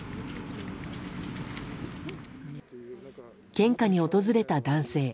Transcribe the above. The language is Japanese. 献花に訪れた男性。